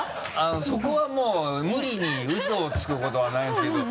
そこはもう無理にウソをつくことはないですけど。